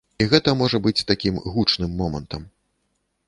І гэта можа быць такім гучным момантам.